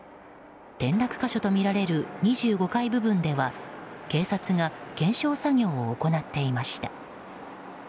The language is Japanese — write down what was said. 転落個所とみられる２５階部分では警察が検証作業を行っていました。